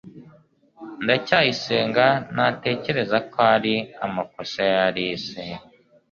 ndacyayisenga ntatekereza ko ari amakosa ya alice